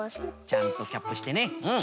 ちゃんとキャップしてねうん。